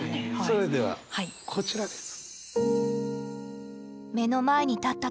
それではこちらです。